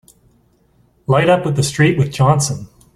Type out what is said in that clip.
Light up with the street with Johnson!